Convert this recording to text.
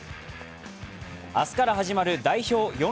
明日から始まる代表